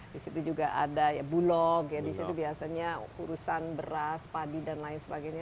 di situ juga ada ya bulog ya di situ biasanya urusan beras padi dan lain sebagainya